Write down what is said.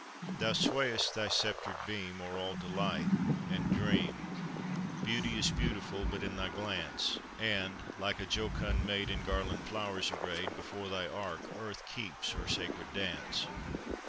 Thou sway'st thy sceptred beam O'er all delight and dream; Beauty is beautiful but in thy glance: And, like a jocund maid In garland flowers arrayed, Before thy ark Earth keeps her sacred dance.